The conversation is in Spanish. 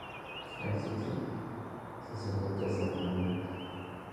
Hay siete sacerdotes en la comunidad.